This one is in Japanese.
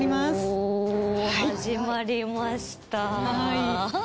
お始まりました。